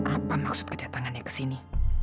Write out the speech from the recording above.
apa maksud kedatangannya ke sini